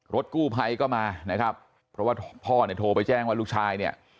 รถกู้ภัยก็มานะครับเพราะว่าพ่อเนี่ยโทรไปแจ้งว่าลูกชายเนี่ย